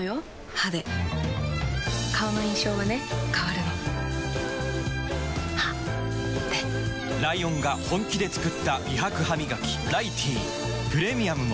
歯で顔の印象はね変わるの歯でライオンが本気で作った美白ハミガキ「ライティー」プレミアムも